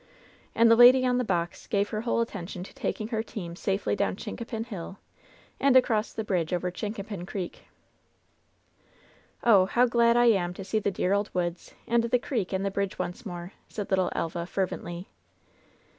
And the lady on the box gave her whole attention to taking her team safely down Chincapin Hill and across the bridge over Chincapin Creek. "Oh ! how glad I am to see the dear old woods and the creek and the bridge once more I" said little Elva, fer vently.